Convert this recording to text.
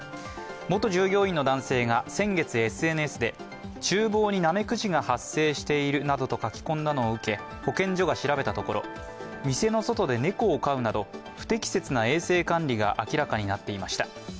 元従業員の男性が先月、ＳＮＳで、ちゅう房にナメクジが発生しているなどと書き込んだのを受け保健所が調べたところ、店の外で猫を飼うなど、不適切な衛生管理が明らかになっていました。